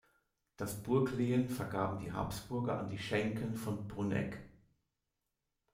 Das Burglehen vergaben die Habsburger an die Schenken von Brunegg.